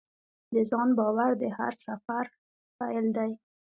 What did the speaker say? د ځان باور د هر سفر پیل دی.